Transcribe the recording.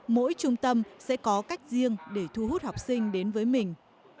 mỗi trung tâm sẽ có cách riêng để thu hút học sinh đến với mình